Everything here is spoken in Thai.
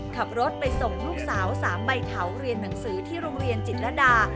ขับรถไปส่งลูกสาว๓ใบเถาเรียนหนังสือที่โรงเรียนจิตรดา